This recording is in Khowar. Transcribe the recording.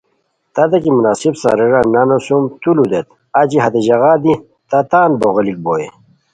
تتے کی مناسب ساریران نانو سُم تو لو دیت اچی ہتے ژاغا دی تہ تان بوغیلیک بوئے